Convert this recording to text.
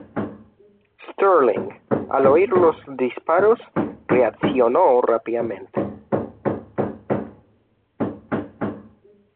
Stirling, al oír los disparos reaccionó rápidamente.